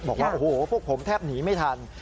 บอกว่าโอ้โหพวกผมแทบหนีไม่ทัน